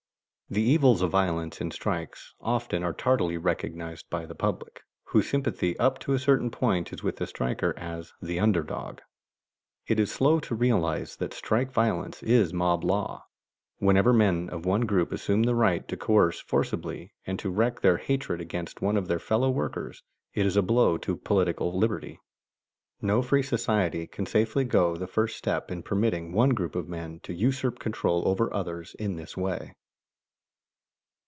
The evils of violence in strikes often are tardily recognized by the public, whose sympathy up to a certain point is with the striker as "the under dog." It is slow to realize that strike violence is mob law. Whenever men of one group assume the right to coerce forcibly and to wreak their hatred against one of their fellow workers, it is a blow at political liberty. No free society can safely go the first step in permitting one group of men to usurp control over others in this way.